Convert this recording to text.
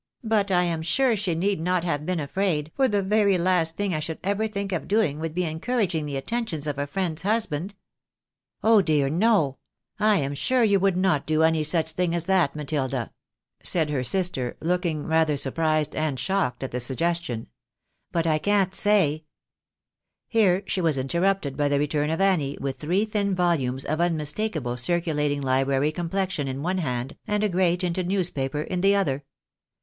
But I am sure she need not have been afraid, for the very last thing I should ever think of doing would be encouraging the attentions of a friend's husband." " Oh ! dear no ! I am sure you v/ould not do any such thing as that, Matilda," said her sister, looking rather surprised and shocked at the suggestion ;" but I can't say " Here she was interrupted by the return of Annie, with three thin volumes of unmistakable circulating library complexion in one hand, and a gray tinted newspaper in the other.